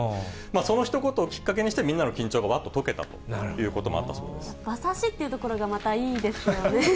そのひと言をきっかけにしてみんなの緊張がわっと解けたというこ馬刺しっていうところがまたいいですよね。